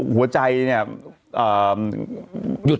หัวใจเนี่ย